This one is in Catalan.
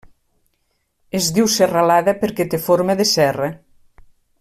Es diu serralada perquè té forma de serra.